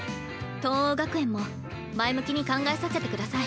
藤黄学園も前向きに考えさせて下さい。